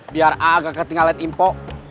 biar a gak ketinggalan info